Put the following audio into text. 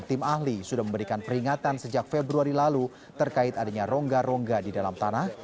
tim ahli sudah memberikan peringatan sejak februari lalu terkait adanya rongga rongga di dalam tanah